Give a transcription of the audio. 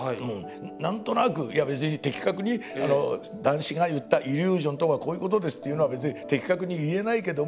何となくいや別に的確に談志が言ったイリュージョンとはこういうことですっていうのは別に的確に言えないけども。